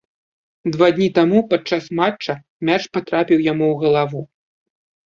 Два дні таму падчас матча мяч патрапіў яму ў галаву.